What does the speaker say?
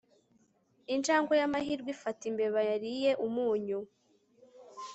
injangwe y'amahirwe ifata imbeba yariye umunyu